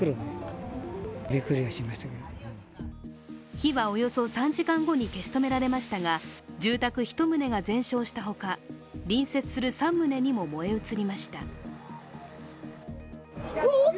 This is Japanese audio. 火はおよそ３時間後に消し止められましたが、住宅１棟が全焼したほか隣接する３棟にも燃え移りました。